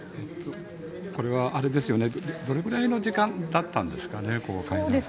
これはどれくらいの時間だったんですかね？